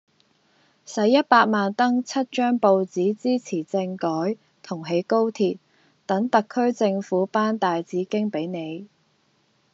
洗一百萬登七張報紙支持政改同起高鐵，等特區政府頒大紫荊比你。